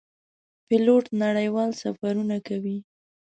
پیلوټ نړیوال سفرونه کوي.